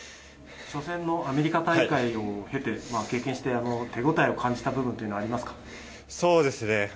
初戦のアメリカ大会を経て経験して手応えを感じた部分というのはありますか。